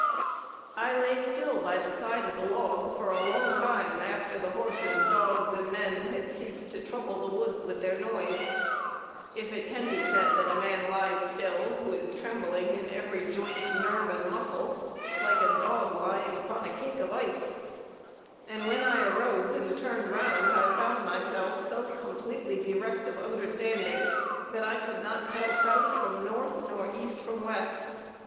I lay still by the side of the log for a long time after the horses, dogs and men had ceased to trouble the woods with their noise; if it can be said that a man lies still who is trembling in every joint, nerve and muscle, like a dog lying upon a cake of ice; and when I arose and turned round, I found myself so completely bereft of understanding, that I could not tell South from North, nor East from West.